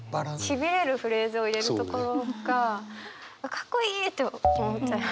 しびれるフレーズを入れるところがかっこいいと思っちゃいました。